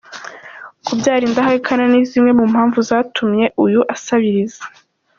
Kubyara indahekana ni zimwe mu mpamvu zatumye uyu asabiriza.